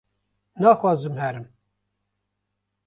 naxwazim herim